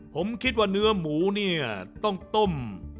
ผมคิดว่าเนื้อหมูเนี่ยต้องต้ม